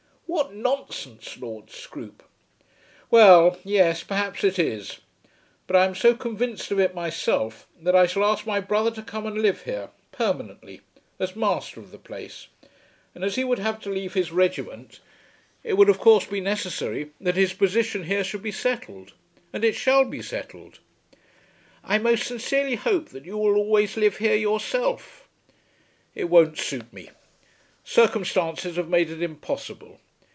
"What nonsense, Lord Scroope." "Well; yes; perhaps it is. But I am so convinced of it myself that I shall ask my brother to come and live here permanently, as master of the place. As he would have to leave his regiment it would of course be necessary that his position here should be settled, and it shall be settled." "I most sincerely hope that you will always live here yourself." "It won't suit me. Circumstances have made it impossible.